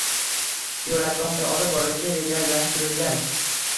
Ziyoratgohda olib borilishi rejalashtirilgan.